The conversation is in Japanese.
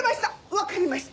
わかりました。